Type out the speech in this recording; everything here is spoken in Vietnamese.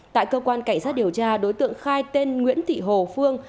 tại cơ quan cảnh sát điều tra đối tượng khai tên nguyễn thị hồ phương